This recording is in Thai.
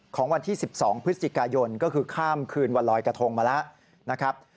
ของวันที่๑๒พฤศจิกายนก็คือข้ามคืนวันลอยกระทงมาแล้วนะครับ